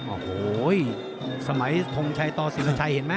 โอ้โหสมัยทงชัยต่อศิรชัยเห็นไหม